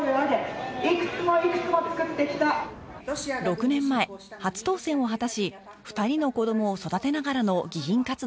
６年前初当選を果たし２人の子どもを育てながらの議員活動が始まりました